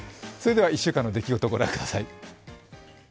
１週間の出来事をご覧ください。